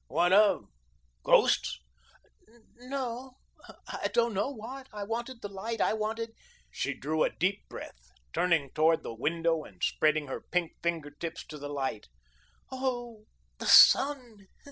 What of ghosts?" "N no; I don't know what. I wanted the light, I wanted " She drew a deep breath, turning towards the window and spreading her pink finger tips to the light. "Oh, the SUN.